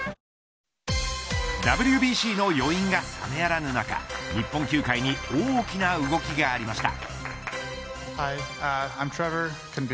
あＷＢＣの余韻が覚めやらぬ中日本球界に大きな動きがありました。